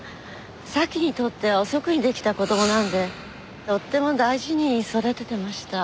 沙希にとっては遅くに出来た子供なんでとっても大事に育ててました。